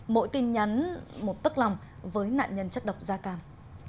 mỗi tin nhắn một tức lòng với nạn nhân chất độc da cam